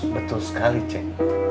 betul sekali ceng